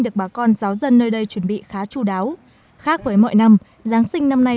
được bà con giáo dân nơi đây chuẩn bị khá chú đáo khác với mọi năm giáng sinh năm nay